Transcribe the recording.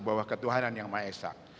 bahwa ketuhanan yang ma'esah